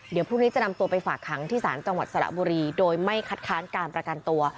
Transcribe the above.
เดี๋ยวพรุ่งนี้จะนำตัวไปฝากขังที่ศาลจังหวัดสระบุรีโดยไม่คัดค้านการประกันตัว